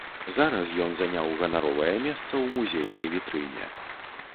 Зараз ён заняў ганаровае месца ў музейнай вітрыне.